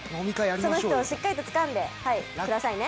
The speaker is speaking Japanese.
その人をしっかりとつかんでくださいね。